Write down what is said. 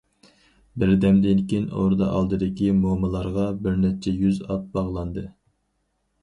بىردەمدىن كېيىن ئوردا ئالدىدىكى مومىلارغا بىر نەچچە يۈز ئات باغلاندى.